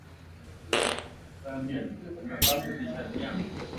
ziko faida mbali mbali za viazi lishe